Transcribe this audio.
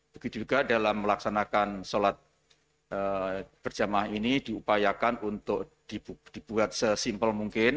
begitu juga dalam melaksanakan sholat berjamaah ini diupayakan untuk dibuat sesimpel mungkin